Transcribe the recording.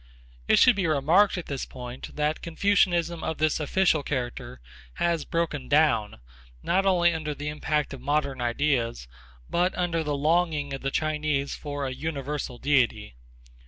It should be remarked at this point that Confucianism of this official character has broken down, not only under the impact of modern ideas, but under the longing of the Chinese for a universal deity.